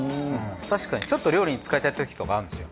確かにちょっと料理に使いたいときとかあるんですよ。